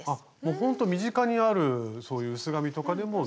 ほんと身近にあるそういう薄紙とかでも全然。